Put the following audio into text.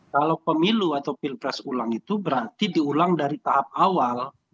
kalau pemilu atau pilpres ulang itu berarti diulang dari tahap awal